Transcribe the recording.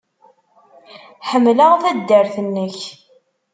Ḥemmleɣ taddart-nnek.